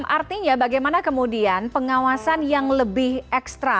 artinya bagaimana kemudian pengawasan yang lebih ekstra